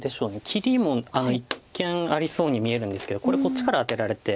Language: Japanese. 切りも一見ありそうに見えるんですけどこれこっちからアテられて。